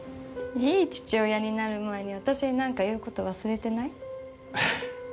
「良い父親になる前に私に何か言う事忘れてない？」